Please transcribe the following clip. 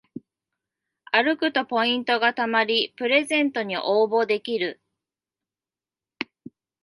歩くとポイントがたまりプレゼントに応募できる